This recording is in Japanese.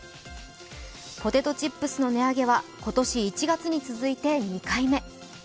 ポテトチップスの値上げは今年１月に続いて２回目。